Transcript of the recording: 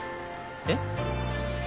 えっ？